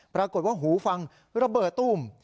ปรากฏว่าหูฟังระเบิดตุ้ม